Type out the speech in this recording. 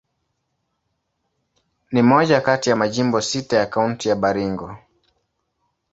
Ni moja kati ya majimbo sita ya Kaunti ya Baringo.